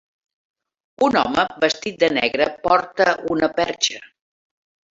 Un home vestit de negre porta una perxa.